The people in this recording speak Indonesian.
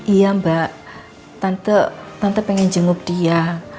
iya mbak tante pengen jenguk dia